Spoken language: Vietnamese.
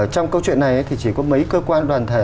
trong câu chuyện này thì chỉ có mấy cơ quan đoàn thể